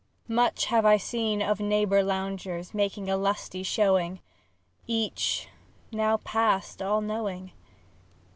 ... Much have I seen of neighbour loungers Making a lusty showing, Each now past all knowing.